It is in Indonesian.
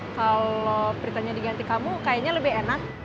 kalau beritanya diganti kamu kayaknya lebih enak